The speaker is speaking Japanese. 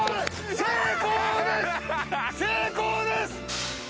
成功です！